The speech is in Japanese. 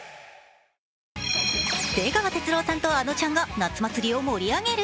出川哲朗さんとあのちゃんが夏祭りを盛り上げる。